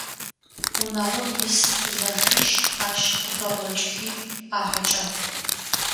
Унагъом ис зэшищ ащ къыпэгъокӏыхи ахьэкӏагъ.